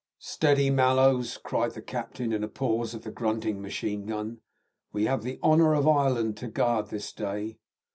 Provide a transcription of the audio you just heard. "Steady, Mallows!" cried the captain, in a pause of the grunting machine gun. "We have the honour of Ireland to guard this day."